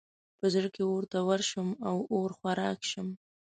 په زړه کې اور ته ورشم او اور خوراک شم.